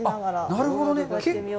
なるほどね、結構。